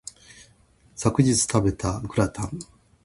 一昨日食べたグラタン